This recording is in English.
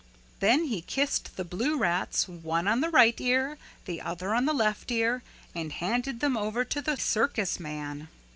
Then he kissed the blue rats, one on the right ear, the other on the left ear, and handed them over to the circus man.